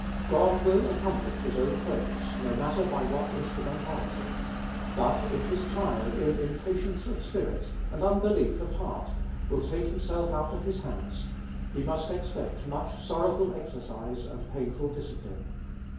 God will accomplish his own purpose, no matter by what instrumentality; but if his child, in impatience of spirit, and unbelief of heart, will take himself out of his hands, he must expect much sorrowful exercise and painful discipline.